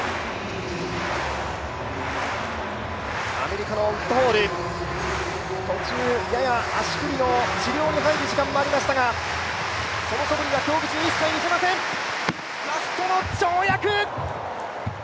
アメリカのウッドホール、途中、やや足首の治療に入る時間もありましたがそのそぶりは見せません、ラストの跳躍。